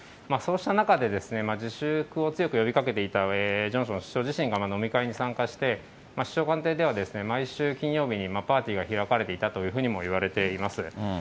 そうした中で、自粛を強く呼びかけていたジョンソン首相自身が飲み会に参加して、首相官邸では毎週金曜日にパーティーが開かれていたというふうにもいわれています。